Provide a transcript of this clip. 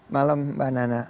malam mbak nana